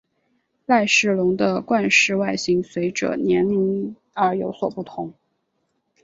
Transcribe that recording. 赖氏龙的冠饰外形随者年龄而有所不同。